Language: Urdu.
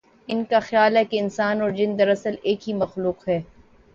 ان کا خیال ہے کہ انسان اور جن دراصل ایک ہی مخلوق ہے۔